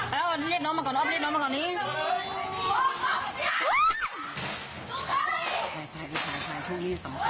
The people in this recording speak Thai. ให้งะงะผมผมน้ำมีเนั้น